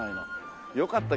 よかった